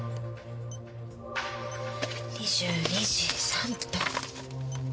２２時３分。